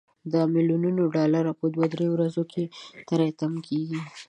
دا ملیونونه ډالر په دوه درې ورځو کې تري تم کیږي.